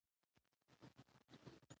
له امله د ښاریانو شکایتونه زیات سوي وه